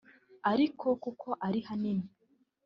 ariko kuko ari hanini